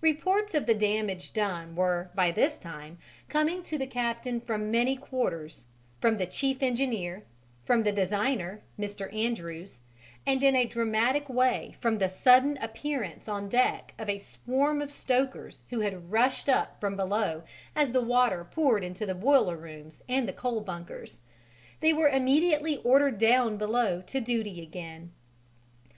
Reports of the damage done were by this time coming to the captain from many quarters, from the chief engineer, from the designer, Mr. Andrews, and in a dramatic way from the sudden appearance on deck of a swarm of stokers who had rushed up from below as the water poured into the boiler rooms and coal bunkers: they were immediately ordered down below to duty again.